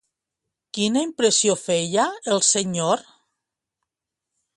Quina impressió feia el senyor?